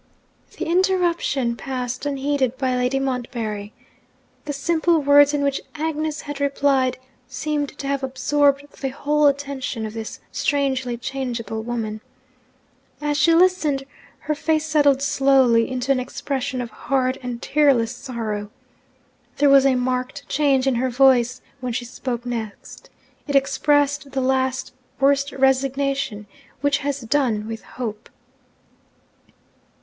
The interruption passed unheeded by Lady Montbarry. The simple words in which Agnes had replied seemed to have absorbed the whole attention of this strangely changeable woman. As she listened, her face settled slowly into an expression of hard and tearless sorrow. There was a marked change in her voice when she spoke next. It expressed that last worst resignation which has done with hope.